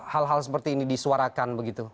hal hal seperti ini disuarakan begitu